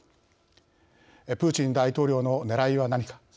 プーチン大統領のねらいは何か。